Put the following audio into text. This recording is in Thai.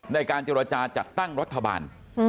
ในการเจรจาจัดตั้งรัฐบาล